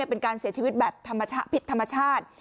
เป็นการเสียชีวิตแบบผิดธรรมชาติ